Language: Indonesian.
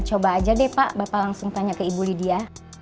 coba aja deh pak bapak langsung tanya ke ibu lydia